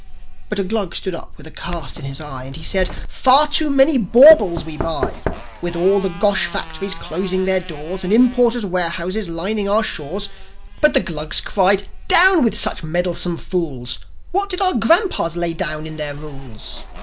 But a Glug stood up with a cast in his eye, And he said, "Far too many baubles we buy; With all the Gosh factories closing their doors, And importers' warehouses lining our shores." But the Glugs cried, "Down with such meddlesome fools! What did our grandpas lay down in their rules?"